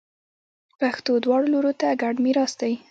پښتو دواړو لورو ته ګډ میراث دی.